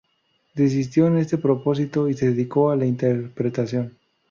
Desistió en este propósito y se dedicó a la interpretación.